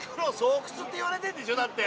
だって。